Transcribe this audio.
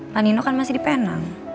lanino kan masih di penang